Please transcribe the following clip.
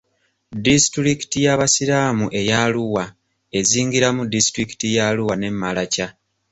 Disitulikiti y'Abasiraamu ey'Arua ezingiramu disitulikiti ye Arua ne Maracha.